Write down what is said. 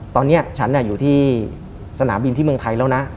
ตอนนี้ฉันอยู่ที่สนามบินที่เมืองไทยแล้วนะ